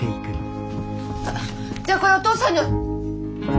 じゃあこれお父さんに。